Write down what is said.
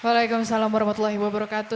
waalaikumsalam warahmatullahi wabarakatuh